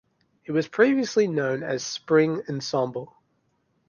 It was previously known as Spring Ensemble.